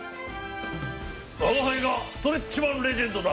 我が輩がストレッチマン・レジェンドだ。